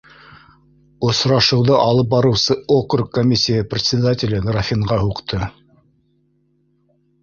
Осрашыуҙы алып барыусы округ комиссияһы председателе графинға һуҡты: